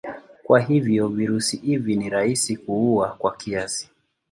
Kwa hivyo virusi hivi ni rahisi kuua kwa kiasi.